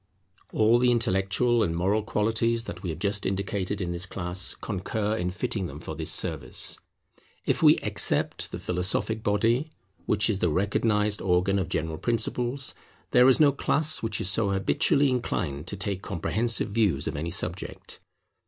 All the intellectual and moral qualities that we have just indicated in this class concur in fitting them for this service. If we except the philosophic body, which is the recognized organ of general principles, there is no class which is so habitually inclined to take comprehensive views of any subject.